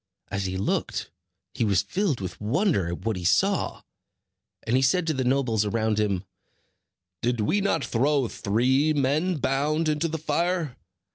As he looked, he was filled with wonder at what he saw; and he said to the nobles around him: "Did we not throw three men bound into the fire?